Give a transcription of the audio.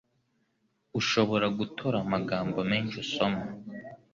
Urashobora gutora amagambo menshi usoma.